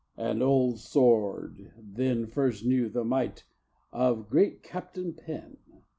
And old Sword then First knew the might of great Captain Pen.